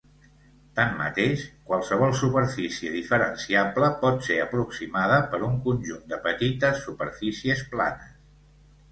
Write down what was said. Tanmateix, qualsevol superfície diferenciable pot ser aproximada per un conjunt de petites superfícies planes.